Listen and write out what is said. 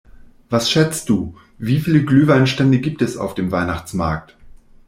Was schätzt du, wie viele Glühweinstände gibt es auf dem Weihnachtsmarkt?